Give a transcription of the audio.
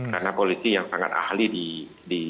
karena polisi yang sangat ahli di